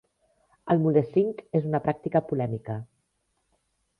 El "mulesing" és una pràctica polèmica.